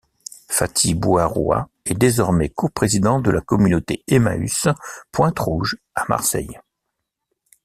Fathi Bouaroua est désormais co-président de la communauté Emmaüs Pointe Rouge à Marseille.